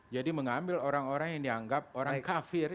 jadi mengambil orang orang yang dianggap orang kafir